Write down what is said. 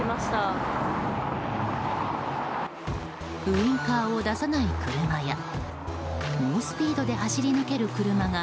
ウィンカーを出さない車や猛スピードで走り抜ける車が